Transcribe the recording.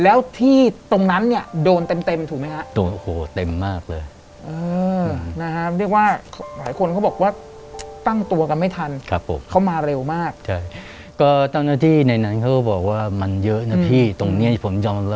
เอ๊ะทำไมวันนี้อาเราไม่บ่น